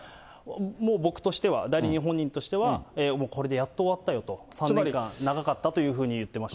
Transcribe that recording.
もう僕としては、代理人本人としては、もうこれでやっと終わったよと、３年間長かったというふうに言ってました。